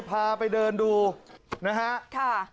พาไปเดินดูนะฮะ